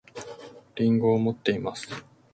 りんごを持っています